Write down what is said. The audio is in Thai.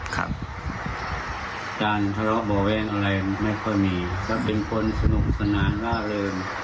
การทะเลาะบ่วงแวงอะไรไม่ค่อยมีก็เป็นคนสนุกสนานล่าเริ่ม